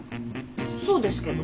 そうですけど。